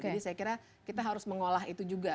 jadi saya kira kita harus mengolah itu juga